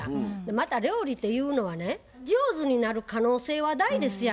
また料理っていうのはね上手になる可能性は大ですや。